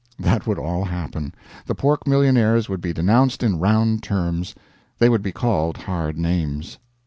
That would all happen. The pork millionaires would be denounced in round terms; they would be called hard names.